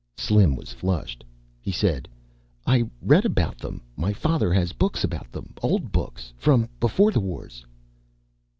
Slim was flushed. He said, "I read about them. My father has books about them. Old books. From Beforethewars."